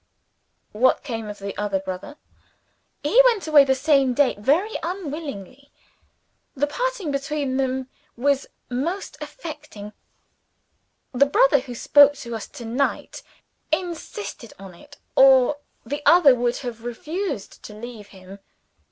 "What became of the other brother?" "He went away the same day very unwillingly. The parting between them was most affecting. The brother who spoke to us to night insisted on it or the other would have refused to leave him.